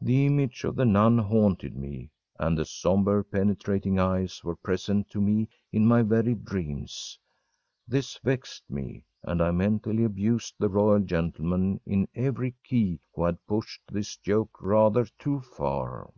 The image of the nun haunted me, and the sombre, penetrating eyes were present to me in my very dreams. This vexed me, and I mentally abused the royal gentleman in every key who had pushed his joke rather too far.